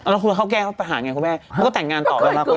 แล้วคุณว่าเขาแกล้งเขาปัญหาไงครับคุณแม่เขาก็แต่งงานต่อ